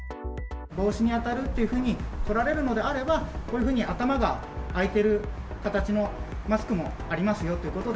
帽子に当たるというふうに取られるのであれば、こういうふうに頭が開いている形のマスクもありますよということで。